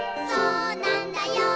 「そうなんだよ」